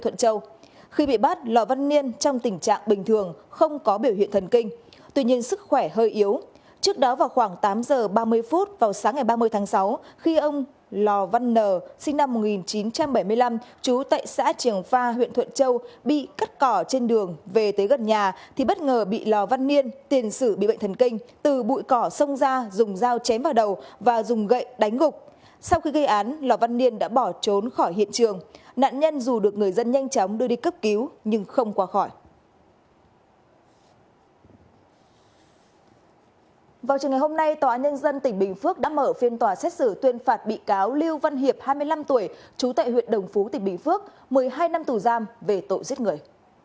tòa nhân dân tỉnh bình phước đã mở phiên tòa xét xử tuyên phạt bị cáo lưu văn hiệp hai mươi năm tuổi trú tại huyện đồng phú tỉnh bình phước một mươi hai năm tù giam về tội giết người